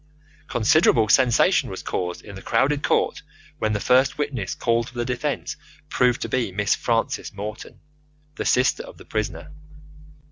Considerable sensation was caused in the crowded court when the first witness called for the defence proved to be Miss Frances Morton, the sister of the prisoner.